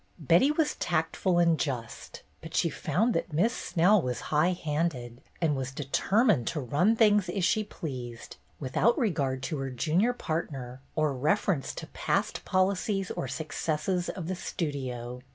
Betty was tactful and just, but she found that Miss Snell was high handed and was deter mined to run things as she pleased, without regard to her junior partner or reference to past policies or successes of the Studio.